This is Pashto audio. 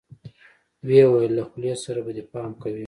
ويې ويل له خولې سره به دې پام کوې.